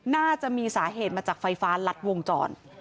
น่าจะมีสาเหตุมาจากไฟฟ้ารัดวงจร